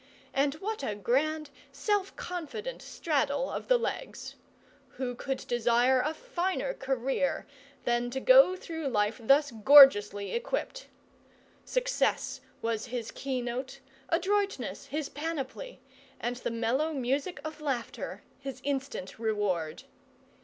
And what a grand, self confident straddle of the legs! Who could desire a finer career than to go through life thus gorgeously equipped! Success was his key note, adroitness his panoply, and the mellow music of laughter his instant reward.